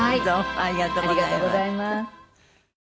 ありがとうございます。